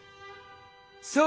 そう！